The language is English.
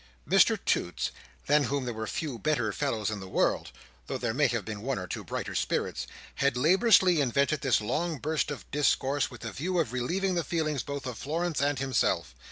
Mr Toots—than whom there were few better fellows in the world, though there may have been one or two brighter spirits—had laboriously invented this long burst of discourse with the view of relieving the feelings both of Florence and himself.